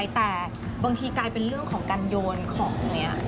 แต่บางทีกลายเป็นเรื่องของการโยนของอย่างนี้